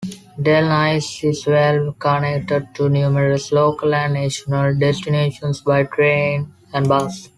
Delnice is well connected to numerous local and national destinations by train and bus.